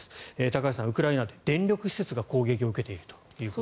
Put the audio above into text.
高橋さん、ウクライナで電力施設が攻撃を受けていると。